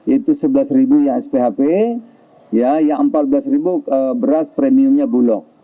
itu sebelas ribu yang sphp yang empat belas beras premiumnya bulog